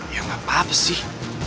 ya nggak apa apa sih